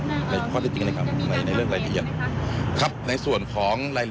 ทีนี้ก็ไม่อยากจะให้ขอมูลอะไรมากนะกลัวจะเป็นการตอกย้ำเสียชื่อเสียงให้กับครอบครัวของผู้เสียหายนะคะ